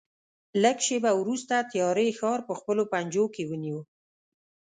لږ شېبه وروسته تیارې ښار په خپلو پنجو کې ونیو.